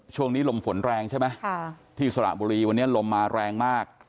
ช่วงนี้ลมฝนแรงใช่ไหมที่สระบุรีวันนี้ลมมาแรงมาก